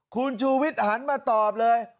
คุณชู้วิทหารมาตอบเลย